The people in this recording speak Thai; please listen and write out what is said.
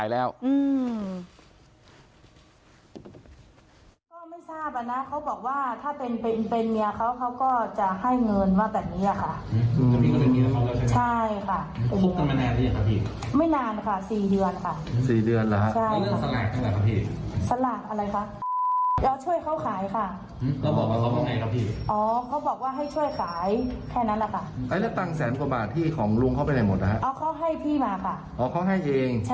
แล้วตั้งแสนกว่าบาทที่ของลุงเข้าไปได้หมดได้ไหม